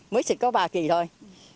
mới xịt có ba kỳ thôi